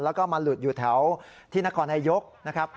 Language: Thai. แล้วก็มาหลุดอยู่แถวที่นครนายกนะครับ